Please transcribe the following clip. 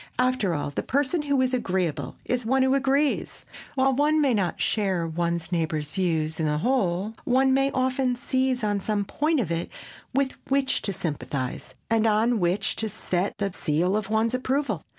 After all, the person who is "agreeable" is one who agrees. While one may not share one's neighbor's views in the whole, one may often seize on some point of it with which to sympathize and on which to set the seal of one's approval.